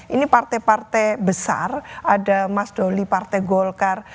ini partai partai besar ada mas doli partai golkar